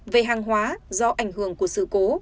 về hàng hóa do ảnh hưởng của sự cố